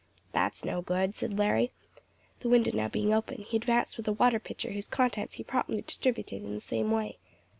"That's no good," said Larry. The window now being open, he advanced with a water pitcher whose contents he promptly distributed in the same way.